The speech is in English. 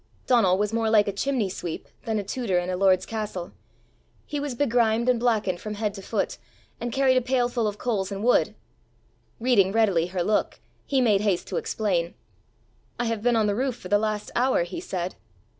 Donal was more like a chimney sweep than a tutor in a lord's castle. He was begrimed and blackened from head to foot, and carried a pailful of coals and wood. Reading readily her look, he made haste to explain. "I have been on the roof for the last hour," he said.